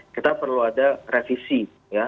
kita perlu ada revisi ya